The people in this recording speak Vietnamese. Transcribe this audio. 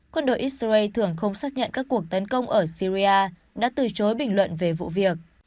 quân đội israel thường không xác nhận các cuộc tấn công ở syria đã từ chối bình luận về vụ việc